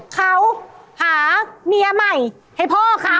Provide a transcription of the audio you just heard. เขาหาเมียใหม่ให้พ่อเขา